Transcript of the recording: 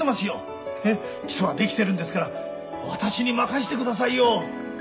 基礎は出来てるんですから私に任してくださいよ！